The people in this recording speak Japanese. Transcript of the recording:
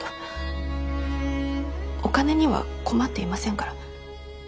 お金には困っていませんから。